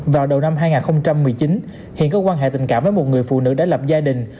vào đầu năm hai nghìn một mươi chín hiền có quan hệ tình cảm với một người phụ nữ đã lập gia đình